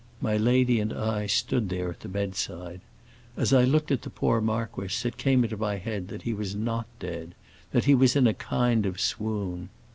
My lady and I stood there at the bedside. As I looked at the poor marquis it came into my head that he was not dead, that he was in a kind of swoon.